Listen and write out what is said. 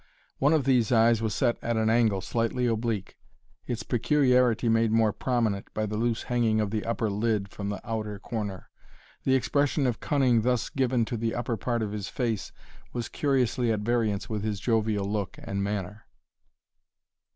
One of these eyes was set at an angle slightly oblique, its peculiarity made more prominent by the loose hanging of the upper lid from the outer corner. The expression of cunning thus given to the upper part of his face was curiously at variance with his jovial look and manner.